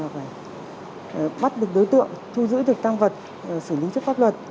phải bắt được đối tượng thu giữ được tang vật sử lý chức pháp luật